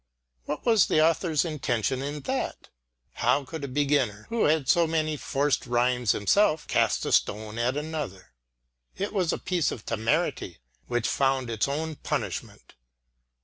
What was the author's intention in that? How could a beginner who had so many forced rhymes himself, cast a stone at another? It was a piece of temerity which found its own punishment.